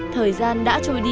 thời gian đã trôi đi